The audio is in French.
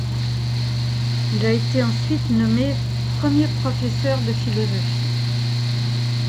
Il a été ensuite nommé premier professeur de philosophie.